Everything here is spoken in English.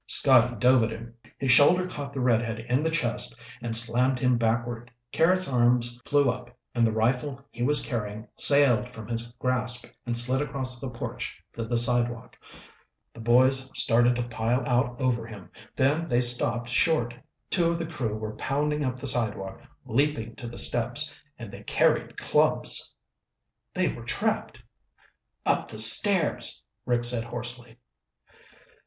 Scotty dove at him. His shoulder caught the redhead in the chest and slammed him backward. Carrots' arms flew up and the rifle he was carrying sailed from his grasp and slid across the porch to the sidewalk. The boys started to pile out over him, then they stopped short. Two of the crew were pounding up the sidewalk, leaping to the steps, and they carried clubs! They were trapped! "Up the stairs," Rick said hoarsely.